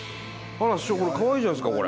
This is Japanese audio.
ほら師匠これかわいいじゃないですか。